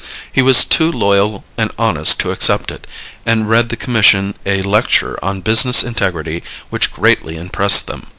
He was too loyal and honest to accept it, and read the commission a lecture on business integrity which greatly impressed them.